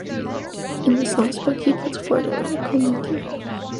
In this last book he puts forward a radical new theory.